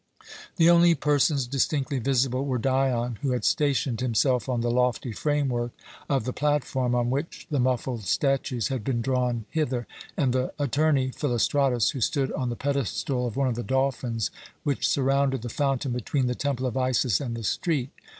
The only persons distinctly visible were Dion, who had stationed himself on the lofty framework of the platform on which the muffled statues had been drawn hither, and the attorney Philostratus, who stood on the pedestal of one of the dolphins which surrounded the fountain between the Temple of Isis and the street.